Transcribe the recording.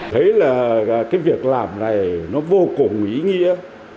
thấy là cái việc làm này nó vô cùng ý nghĩa